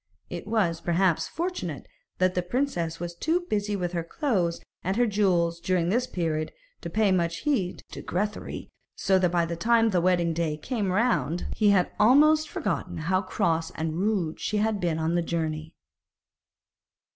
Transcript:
It was, perhaps, fortunate that the princess was too busy with her clothes and her jewels during this period to pay much heed to Grethari, so that by the time the wedding day came round he had almost forgotten how cross and rude she had been on the journey.